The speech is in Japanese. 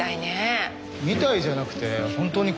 みたいじゃなくて本当に工場だよ。